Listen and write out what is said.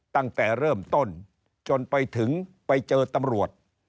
ตั้งแต่เริ่มต้นจนไปถึงไปเจอตำรวจ